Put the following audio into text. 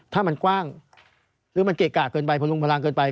ถ้ามันกว้างหรือมันเกะกะเกินไปพลุงพลังเกินไป